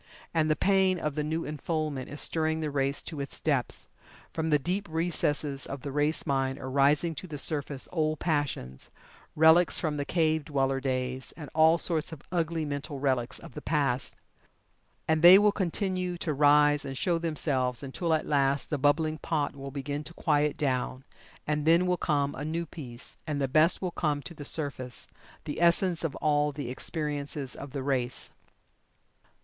And the pain of the new unfoldment is stirring the race to its depths. From the deep recesses of the race mind are rising to the surface old passions, relics from the cave dweller days, and all sorts of ugly mental relics of the past. And they will continue to rise and show themselves until at last the bubbling pot will begin to quiet down, and then will come a new peace, and the best will come to the surface the essence of all the experiences of the race.